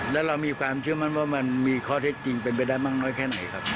แล้วเรามีความเชื่อมั่นว่ามันมีข้อเท็จจริงเป็นไปได้มากน้อยแค่ไหนครับ